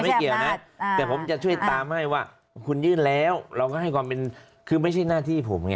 ไม่เกี่ยวนะแต่ผมจะช่วยตามให้ว่าคุณยื่นแล้วเราก็ให้ความเป็นคือไม่ใช่หน้าที่ผมไง